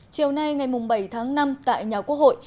chiều nay ngày bảy tháng năm tại nhà quốc hội